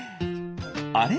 あれ？